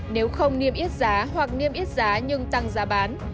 nếu không niêm yết giá hoặc niêm yết giá nhưng tăng giá bán